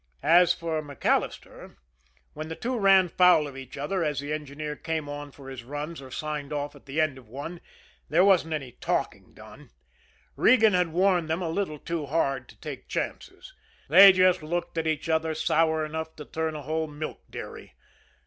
As for MacAllister, when the two ran foul of each other, as the engineer came on for his runs or signed off at the end of one, there wasn't any talking done. Regan had warned them a little too hard to take chances. They just looked at each other sour enough to turn a whole milk dairy.